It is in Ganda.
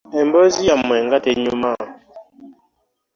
Emboozi yammwe nga tenyuma.